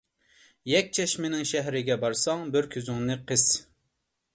يەكچەشمىنىڭ شەھىرىگە بارساڭ بىر كۆزۈڭنى قىس.